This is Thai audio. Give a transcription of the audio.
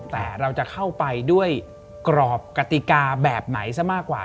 แต่เราจะเข้าไปด้วยกรอบกติกาแบบไหนซะมากกว่า